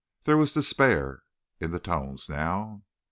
There was despair in the tones now....